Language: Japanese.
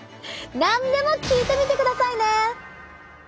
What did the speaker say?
何でも聞いてみてくださいね！